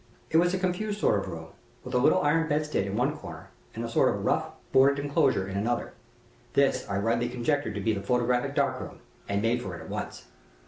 It was a confused sort of room, with a little iron bedstead in one corner and a sort of rough boarded inclosure in another. This I rightly conjectured to be the photographic dark room, and made for it at once.